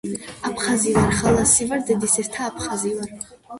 აფხაზი ვარ, ხალასი ვარ, დედისერთა აფხაზი ვარ.